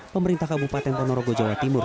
pemerintah kabupaten ponorogo jawa timur